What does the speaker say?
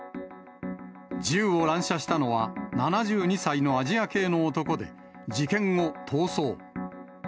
銃を乱射したのは、７２歳のアジア系の男で、事件後、逃走。